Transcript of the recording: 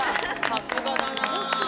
さすがだな。